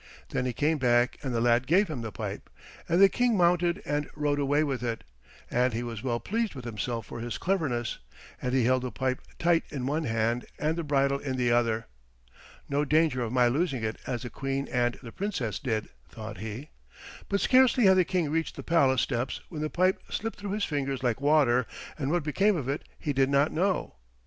Then he came back and the lad gave him the pipe, and the King mounted and rode away with it, and he was well pleased with himself for his cleverness, and he held the pipe tight in one hand and the bridle in the other. "No danger of my losing it as the Queen and the Princess did," thought he. But scarcely had the King reached the palace steps when the pipe slipped through his fingers like water, and what became of it he did not know.